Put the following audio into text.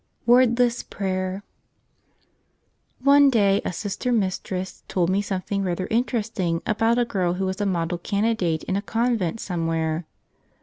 (KBotOlegg Ptapet ONE DAY a Sister Mistress told me some¬ thing rather interesting about a girl who was a model candidate in a convent somewhere.